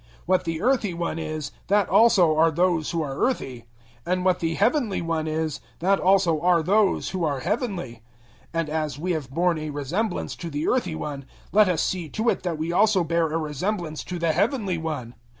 015:048 What the earthy one is, that also are those who are earthy; and what the heavenly One is, that also are those who are heavenly. 015:049 And as we have borne a resemblance to the earthy one, let us see to it that we also bear a resemblance to the heavenly One.